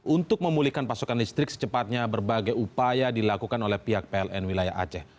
untuk memulihkan pasokan listrik secepatnya berbagai upaya dilakukan oleh pihak pln wilayah aceh